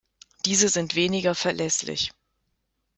Diese sind weniger verlässlich.